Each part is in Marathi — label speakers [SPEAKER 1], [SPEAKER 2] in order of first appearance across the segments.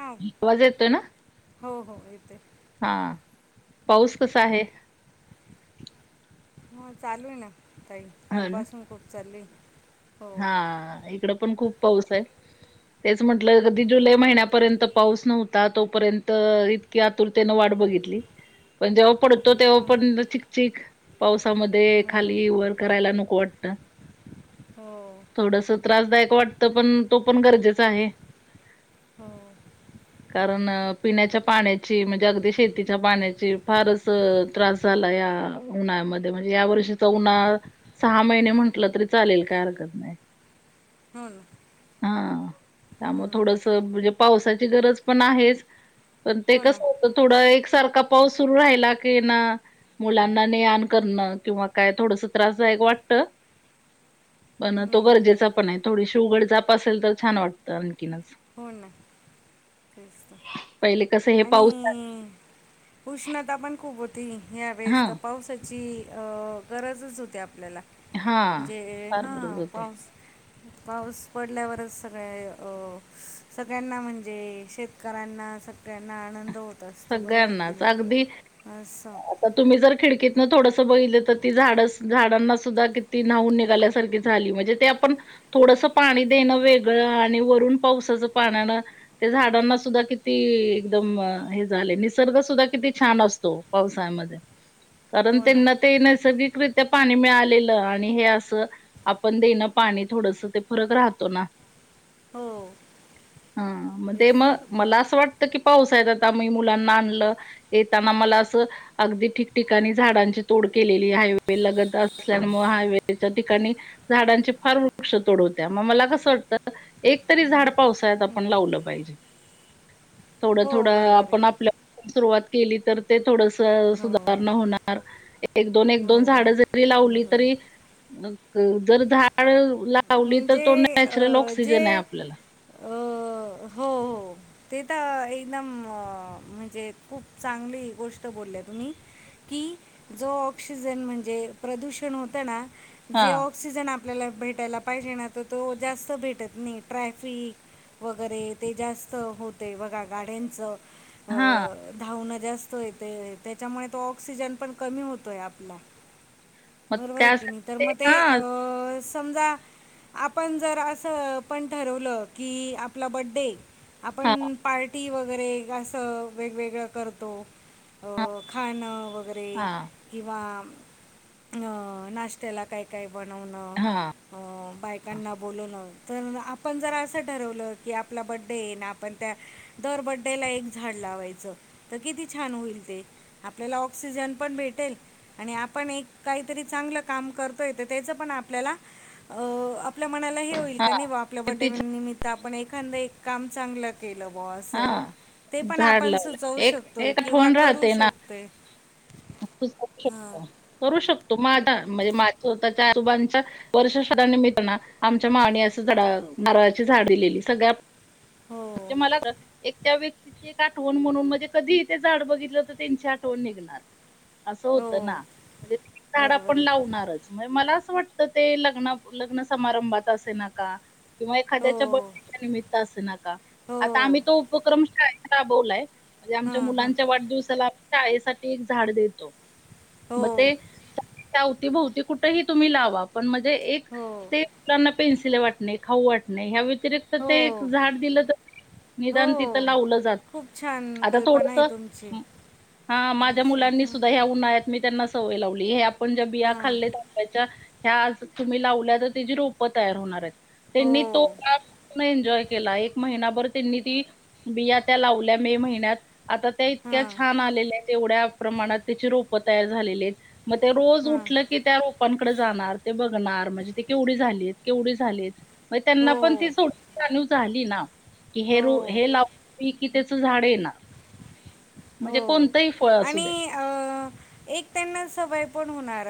[SPEAKER 1] हां
[SPEAKER 2] आवाज येतोय ना?
[SPEAKER 1] हो हो येतोय.
[SPEAKER 2] हा पाऊस कसा आहे?
[SPEAKER 1] हो चालू आहे ना. ताई
[SPEAKER 2] हो ना
[SPEAKER 1] कालपासून पाऊस चालू आहे हो.
[SPEAKER 2] हा इक इकड पण खूप पाऊस आहे. तेच म्हटलं कधी जुलै महिन्यापर्यंत पाऊस नव्हता तोपर्यंत इत की आतुरतेन वाट बघितली. पण जेव्हा पडतो तेव्हा
[SPEAKER 1] हं,
[SPEAKER 2] पण चिक - चिक. पावसामध्ये
[SPEAKER 1] हो
[SPEAKER 2] खाली वर करायला नको वाटत.
[SPEAKER 1] हो.
[SPEAKER 2] थोडस त्रासदायक वाटतं. पण तो पण गरजेचा आहे.
[SPEAKER 1] हो
[SPEAKER 2] कारण पिण्याच्या पाण्याची म्हणजे अगदी शेतीच्या पाण्याची फारच च त्रास झाला या उन्हाळ्यामध्ये म्हणजे या वर्षीचा उन्हाळा सहा महिने म्हटलं तरी चालेल काय हरकत नाही.
[SPEAKER 1] हो ना.
[SPEAKER 2] हा. त्यामुळ
[SPEAKER 1] हं,
[SPEAKER 2] थोडस म्हणजे पावसाची गरज पण आहेच. पण ते
[SPEAKER 1] हो ना
[SPEAKER 2] कसं होत थोडा एकसारखा पाऊस सुरू राहिला की ना मुलांना ने - आण करणं किंवा काय थोडस त्रासदायक वाटत पण तो
[SPEAKER 1] हं,
[SPEAKER 2] गरजेचा पण आहे. थोडीशी उघड झाक असेल तर छान वाटतं आणखीनच.
[SPEAKER 1] हो ना. तेच ते.
[SPEAKER 2] पहिले कसं हे पाऊसात
[SPEAKER 1] उष्णता पण खूप होती
[SPEAKER 2] हा
[SPEAKER 1] यावेेळेस तर पावसाची. ची गरजच होती आपल्याला
[SPEAKER 2] हा
[SPEAKER 1] जे
[SPEAKER 2] फार गरज
[SPEAKER 1] हा
[SPEAKER 2] होते.
[SPEAKER 1] पाऊस. पाऊस पडल्यावरच सगळ्या सगळ्यांना म्हणजे शेतकऱ्यांना सग. त्यांना आनंद होत असतो बरं
[SPEAKER 2] सगळ्यांनाच
[SPEAKER 1] कीने
[SPEAKER 2] अगदी
[SPEAKER 1] अस.
[SPEAKER 2] आता तुम्ही जर खिडकीतनं थोडंसं बघितलं तर ती झाड झाडांना सुद्धा किती नवून निघाल्यासारखी झाली म्हणजे. ते आपण थोडंस पाणी देणं वेगळं आणि वरून पावसाचं पाण्यानं. त्या झाडांना सुद्धा किती एकदम हे. झाले निसर्ग सुद्धा किती छान असतो पावसाळमध्ये. कारण
[SPEAKER 1] हो ना
[SPEAKER 2] त्यांना ते नैसर्गिकरित्या पाणी मिळालेलं आणि हे असं. आपण देणं पाणी थोडस ते फरक राहतो ना.
[SPEAKER 1] हो
[SPEAKER 2] हा मण
[SPEAKER 1] तेच
[SPEAKER 2] म
[SPEAKER 1] तर
[SPEAKER 2] मला असं वाटत कि पाऊस आहे आता. मी मुलांना आणलं येताना मला अस. अगदी ठिकठिकाणी झाडांची तोड केलेली हायवे लगत असल्यामुळे हायवेच्या ठिकाणी. झाडांचे फार वृक्ष तोडवत्या मग मला कसं वाटतं. एक तरी झाड पावसाळ्यात आपण लावलं पाहिजे. थोडं
[SPEAKER 1] हो
[SPEAKER 2] थोडं
[SPEAKER 1] बरोबर
[SPEAKER 2] आपण
[SPEAKER 1] आहे
[SPEAKER 2] आपल्या सुरुवात केली तर ते थोडस
[SPEAKER 1] हो
[SPEAKER 2] सुद्धा. होणार एक दोन एक
[SPEAKER 1] हो
[SPEAKER 2] दोन झाड जरी लावली
[SPEAKER 1] बरोबर
[SPEAKER 2] तरी. जर झाड लावली तर
[SPEAKER 1] म्हणजे
[SPEAKER 2] तो नॅचरल
[SPEAKER 1] अं,
[SPEAKER 2] ऑक्सिजन
[SPEAKER 1] जे
[SPEAKER 2] आहे आपल्याला.
[SPEAKER 1] अं, हो हो ते तर एकदम म्हणजे खूप चांगली गोष्ट बोलली तुम्ही. कि जो ऑक्सिजन म्हणजे प्रदूषण होत ना.
[SPEAKER 2] हा
[SPEAKER 1] जे ऑक्सिजन आपल्याला भेटायला पाहिजे ना तर तो जास्त भेटत नाही ट्रॅफिक. वगैरे ते जास्त होते बघा गाड्यांचं.
[SPEAKER 2] हा
[SPEAKER 1] धावणं जास्त येत त्याच्यामुळे तो ऑक्सिजन पण कमी होतोय आपला.
[SPEAKER 2] मग
[SPEAKER 1] बरोबर आहे की
[SPEAKER 2] त्यासाठी
[SPEAKER 1] नाही तर मग ते
[SPEAKER 2] हां,
[SPEAKER 1] अ समजा आपण जर असं पण ठरवलं की आपला बड्डे.
[SPEAKER 2] हां,
[SPEAKER 1] आपण पार्टी वगैरे. वेगवेगळं करतो
[SPEAKER 2] हां,
[SPEAKER 1] खाणं वगैरे.
[SPEAKER 2] हां,
[SPEAKER 1] किंवा नाश्त्याला काय काय बनवणं.
[SPEAKER 2] हा.
[SPEAKER 1] हो. बायकांना बोलवून तर आपण जर असं ठरवलं की आपला बड्डे येईन आपण त्या. दरबड्डे्याला एक झाड लावायचं तर किती छान होईल ते. आपल्याला ऑक्सिजन पण भेटेल. आणि आपण एक काहीतरी चांगलं काम करतोयेत त्याचं पण आपल्याला. आपल्या मनाला हे होईल
[SPEAKER 2] हां.
[SPEAKER 1] का नाही बा आपल्या
[SPEAKER 2] किती छान
[SPEAKER 1] बर््डेनिमित्त आपण एखादं एक काम चांगलं. कल बॉस. ते
[SPEAKER 2] हां,
[SPEAKER 1] पण
[SPEAKER 2] झाड
[SPEAKER 1] आपण
[SPEAKER 2] लावलं.
[SPEAKER 1] सुचवू
[SPEAKER 2] एक
[SPEAKER 1] शकतोय
[SPEAKER 2] एक
[SPEAKER 1] किंवा
[SPEAKER 2] आठवण
[SPEAKER 1] करू
[SPEAKER 2] राहते ना,
[SPEAKER 1] शकतोय.
[SPEAKER 2] तू करू
[SPEAKER 1] हां
[SPEAKER 2] शकतो करू शकतो माझा म्हणजे माझं होता त्या आजोबांचा. वर्षरानिमित्तानं आमच्या मावनी असं झाड मारळाची झाड दिलेली सगळ्या.
[SPEAKER 1] हो
[SPEAKER 2] ते मला तर एक. त्या व्यक्तीची एक आठवण म्हणून म्हणजे कधीही ते झाड बघितलं तर त्यांची आठवण निघणार. असं
[SPEAKER 1] हो
[SPEAKER 2] होतं ना म्हणजे झाडं
[SPEAKER 1] बरोबर
[SPEAKER 2] पण
[SPEAKER 1] आहे
[SPEAKER 2] लावणारच. मला असं वाटतं ते लग्ना लग्न समारंभात असे ना का. किंवा
[SPEAKER 1] हो
[SPEAKER 2] एखाद्याच्या [unintelligible] निमित्त असं ना का. आता
[SPEAKER 1] हो
[SPEAKER 2] आम्ही तो उपक्रम शाळेेत राबवलाय म्हणजे आमच्या
[SPEAKER 1] हां हां
[SPEAKER 2] मुलांच्या वाढदिवसाला शाळेसाठी एक झाड देतो.
[SPEAKER 1] हो
[SPEAKER 2] मग ते [unintelligible] अवतीभवती कुठेही तुम्ही लावा. पण म्हणजे एक
[SPEAKER 1] हो
[SPEAKER 2] तेलाना पेन्सिल वाटणे, खाऊ वाटणे, ह्या व्यतिरिक्त तर
[SPEAKER 1] हो
[SPEAKER 2] ते एक झाड दिलं तर
[SPEAKER 1] हो
[SPEAKER 2] निदान तिथ लावलं जात.
[SPEAKER 1] खूप छान
[SPEAKER 2] आता
[SPEAKER 1] कल्पना
[SPEAKER 2] थोडस
[SPEAKER 1] आहे तुमची
[SPEAKER 2] हा माझ्या
[SPEAKER 1] असं
[SPEAKER 2] मुलांनी
[SPEAKER 1] हां
[SPEAKER 2] सुद्धा ह्या उन्हाळ्यात मी त्यांना सवय लावली हे आपण ज्या बिया खाल्
[SPEAKER 1] हां
[SPEAKER 2] ह्या आज तुम्ही लावल्या तर त्याची रोप तयार होणार आहेत.
[SPEAKER 1] हो
[SPEAKER 2] त्यांनी तो काळ पूर्ण एन्जॉय केला एक महिनाभर त्यांनी ती बिया त्या लावल्या मे महिन्यात आता त्या इतक्या
[SPEAKER 1] हां
[SPEAKER 2] छान आलेल्या आहेत एवढ्या प्रमाणात त्याची रोपं तयार झालेली आहेत मग ते रोज
[SPEAKER 1] हां
[SPEAKER 2] उठलं की त्या रोपानकडे जाणार ते बघणार म्हणजे ते केवढी झालीत केवढी झालीत मग त्यांना
[SPEAKER 1] हो
[SPEAKER 2] पण ती सोड जाणीव झाली ना? कि हे र
[SPEAKER 1] हो
[SPEAKER 2] हे लवलं कि त्याच झाड येणार.
[SPEAKER 1] हो
[SPEAKER 2] म्हणजे कोणतंही फळ असू
[SPEAKER 1] आणि
[SPEAKER 2] दे.
[SPEAKER 1] अ एक त्यांना सवय पण होणार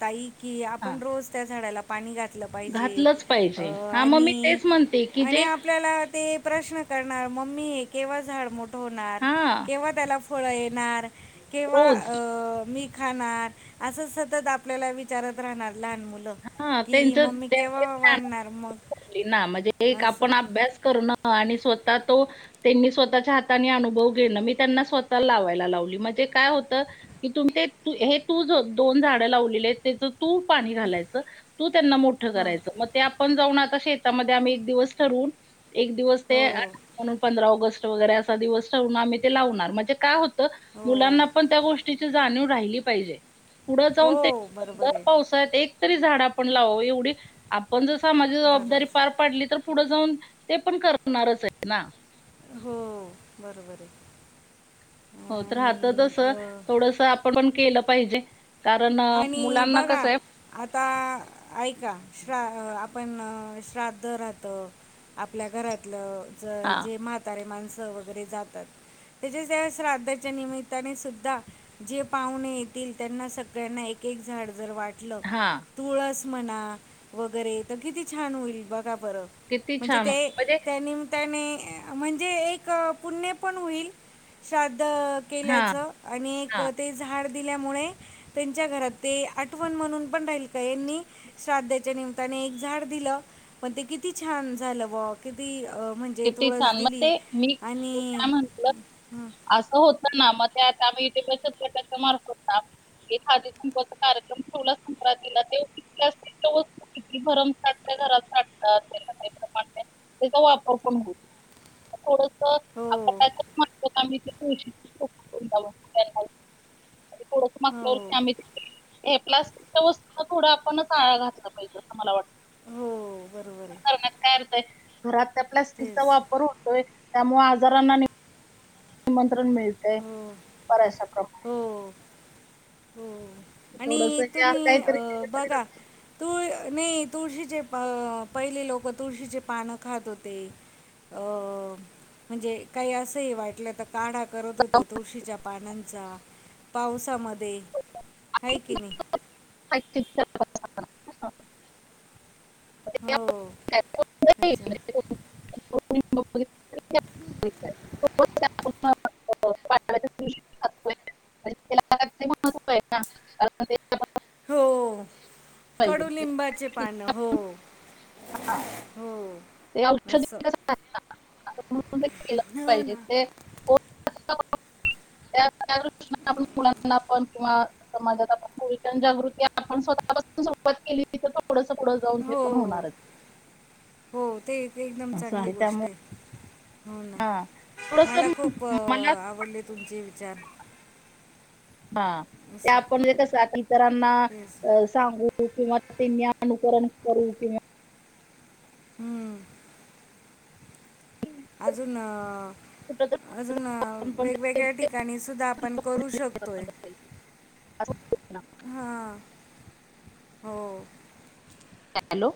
[SPEAKER 1] ताई की
[SPEAKER 2] हा
[SPEAKER 1] आपण रोज त्या झाडाला पाणी घातलं पाहिजे
[SPEAKER 2] घातलंच पाहिजे. हां मग मी
[SPEAKER 1] आणि
[SPEAKER 2] तेच म्हणते की
[SPEAKER 1] आणि
[SPEAKER 2] जे
[SPEAKER 1] आपल्याला ते प्रश्न करणार मम्मी हे केव्हा झाड मोठ होणार?,
[SPEAKER 2] हां
[SPEAKER 1] केव्हा त्याला फळ येणार? किंवा
[SPEAKER 2] रोज
[SPEAKER 1] मी अं खाणार असं सतत आपल्याला विचारत राहणार लहान मुलं
[SPEAKER 2] हां,
[SPEAKER 1] की
[SPEAKER 2] त्यांचं
[SPEAKER 1] मम्मी
[SPEAKER 2] त्यावेळेस
[SPEAKER 1] केव्हा
[SPEAKER 2] ज्ञान
[SPEAKER 1] वाढणार मग?
[SPEAKER 2] ना म्हणजे एक
[SPEAKER 1] असं
[SPEAKER 2] आपण अभ्यास करणं आणि स्वतः तो त्यांनी स्वतःच्या हाताने अनुभव घेणं मी त्यांना स्वतः लावायला लावली म्हणजे काय होतं कि तुम ते हे तू दोन झाडं लावलेली त्याच तू पाणी घालायचं तू त्यांना मोठं
[SPEAKER 1] हो
[SPEAKER 2] करायचं मग ते आपण जाऊन आता शेतं तामध्ये आम्ही एक दिवस ठरून एक दिवस
[SPEAKER 1] हो
[SPEAKER 2] ते अट म्हणून पंधरा ऑगस्ट वगैरे असा दिवस ठेवून आम्ही ते लावणार म्हणजे काय होतं
[SPEAKER 1] हो
[SPEAKER 2] मुलांना पण त्या गोष्टी जाणीव राहिली पाहिजे पुढं
[SPEAKER 1] हो
[SPEAKER 2] जाऊन ते
[SPEAKER 1] बरोबर आहे
[SPEAKER 2] [unintelligible] एक तरी झाड आपण लावाव एवढी आपण जर सामाज्याची जबाबदारी
[SPEAKER 1] बरंच
[SPEAKER 2] पार पडली तर पुढे जाऊन ते पण करणारच आहेत ना.
[SPEAKER 1] हो बरोबर आहे.
[SPEAKER 2] हो तर आता
[SPEAKER 1] आणि
[SPEAKER 2] तस
[SPEAKER 1] अ,
[SPEAKER 2] थोडस आपण पण केलं पाहिजे कारण
[SPEAKER 1] आणि
[SPEAKER 2] मुलांना
[SPEAKER 1] बघा
[SPEAKER 2] कसं आहे
[SPEAKER 1] आता ऐका श्रा आपण श्राद्ध राहतं आपल्या घरातलं ज
[SPEAKER 2] हा
[SPEAKER 1] जे म्हातारे माणसं वगैरे जातात. त्याच्या ज्या श्राद्धाच्या निमित्ताने सुद्धा जे पाहुणे येतील त्यांना स त्यांना एक एक झाड जर वाटलं
[SPEAKER 2] हा
[SPEAKER 1] तुळस म्हणा वगैरे तर किती छान होईल बघा बरं
[SPEAKER 2] किती
[SPEAKER 1] म्हणजे
[SPEAKER 2] छान
[SPEAKER 1] ते
[SPEAKER 2] होईल म्हणजे
[SPEAKER 1] त्यांनी त्याने म्हणजे एक पुण्य पण होईल श्राद्ध अ..
[SPEAKER 2] हा
[SPEAKER 1] केल्याचं आणि एक
[SPEAKER 2] हा
[SPEAKER 1] ते झाड दिल्यामुळे त्यांच्या घरात ते आठवण म्हणून पण राहिल का यांनी श्राद्धाच्या निमित्याने एक झाड दिलं, पण ते किती छान झालं वा.. किती म्हणजे
[SPEAKER 2] किती
[SPEAKER 1] तुळस
[SPEAKER 2] छान मग
[SPEAKER 1] दिली
[SPEAKER 2] ते मी
[SPEAKER 1] आणि
[SPEAKER 2] काय म्हंटलं असं होतं ना मग ते आता आम्ही इथ बचत गटाच्या मार्फत ना एखादी कुंकवाचा कार्यक्रम ठेवला संक्रांतीला ते [unintelligible] किती भरमसाठ त्या घरात साठतात [unintelligible] त्याचा वापर
[SPEAKER 1] हो
[SPEAKER 2] [unintelligible] [unintelligible] थोडस मागच्या
[SPEAKER 1] हो
[SPEAKER 2] वर्षी आम्ही हे प्लास्टिकच्या वस्तूना थोडं आपण आळा घातला पाहिजे अस मला वाटतं.
[SPEAKER 1] हो बरोबर आहे
[SPEAKER 2] करण्यात काय अर्थ आहे. घरात त्या प्लास्टिकचा
[SPEAKER 1] तेच
[SPEAKER 2] वापर होतोय त्यामुळे आजारांना निमंत्रण मिळतय
[SPEAKER 1] हो
[SPEAKER 2] [unintelligible]
[SPEAKER 1] हो हो
[SPEAKER 2] थोडंसं
[SPEAKER 1] आणि
[SPEAKER 2] हे असं
[SPEAKER 1] तुम्ही अ
[SPEAKER 2] काहीतरी केलं तरी
[SPEAKER 1] बघा तुळ नाही तुळशीचे अ- पहिले लोक तुळशीचे पानं खात होते. अ... म्हणजे काही असंही वाटलं तर काढा करत होते तुळशीच्या पानांचा पावसामध्ये हाय की नाही.
[SPEAKER 2] [unintelligible]
[SPEAKER 1] हो... अच्छा.
[SPEAKER 2] [unintelligible] पांटलाच्या [unintelligible] नन महत्व आहे ना, कारण ते आपण
[SPEAKER 1] हो...
[SPEAKER 2] पाहिजे
[SPEAKER 1] कडुलिंबाचे पान हो हो
[SPEAKER 2] ते औषधी
[SPEAKER 1] असं.
[SPEAKER 2] कसं आहे ना, आता म्हणून ते
[SPEAKER 1] [inaudible]
[SPEAKER 2] केलं पाहिजे
[SPEAKER 1] ना
[SPEAKER 2] ते [unintelligible] त्या दृष्टीन आपण मुलांना पण किंवा समाजात आपण कुल्टान जागृती आपण स्वतःपासून सुरवात केलीत थोडसं पुढं जाऊन ते
[SPEAKER 1] हो
[SPEAKER 2] पण होणारच.
[SPEAKER 1] हो ते-ते एकदम
[SPEAKER 2] असं
[SPEAKER 1] चांगली
[SPEAKER 2] त्यामुळे
[SPEAKER 1] गोष्ट आहे. हो ना.
[SPEAKER 2] हां.
[SPEAKER 1] मला
[SPEAKER 2] थोडंसं
[SPEAKER 1] खूप
[SPEAKER 2] मला
[SPEAKER 1] आवडले तुमचे विचार.
[SPEAKER 2] हा ते
[SPEAKER 1] असं
[SPEAKER 2] आपण म्हणजे कस आपण इतरांना
[SPEAKER 1] तेच
[SPEAKER 2] सांगू. तू किंवा त्यांनी अनुकरण करू किंवा
[SPEAKER 1] हंम्म.
[SPEAKER 2] तर
[SPEAKER 1] अजून अं
[SPEAKER 2] कुठेतरी
[SPEAKER 1] अजून
[SPEAKER 2] आपण पण
[SPEAKER 1] वेगवेगळ्या
[SPEAKER 2] ते
[SPEAKER 1] ठिकाणी सुद्धा आपण करू शकतोय.
[SPEAKER 2] असं [unintelligible]
[SPEAKER 1] हम्म हो.
[SPEAKER 2] हॅलो!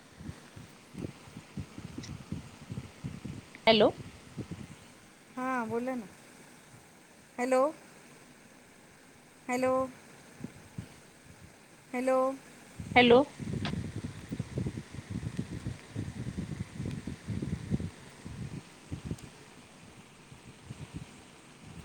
[SPEAKER 2] हॅलो!
[SPEAKER 1] हां बोला ना. हॅलो! हॅलो! हॅलो!
[SPEAKER 2] हॅलो!